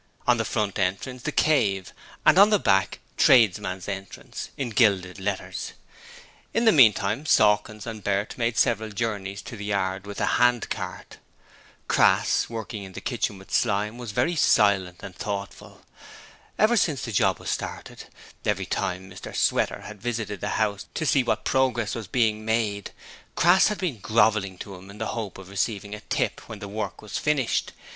On the front entrance 'The Cave' and on the back 'Tradesmens Entrance', in gilded letters. In the meantime, Sawkins and Bert made several journeys to the Yard with the hand cart. Crass working in the kitchen with Slyme was very silent and thoughtful. Ever since the job was started, every time Mr Sweater had visited the house to see what progress was being made, Crass had been grovelling to him in the hope of receiving a tip when the work was finished.